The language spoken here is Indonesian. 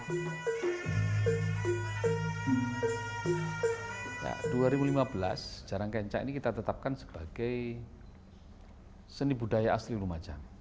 nah dua ribu lima belas jarang kencang ini kita tetapkan sebagai seni budaya asli lumajang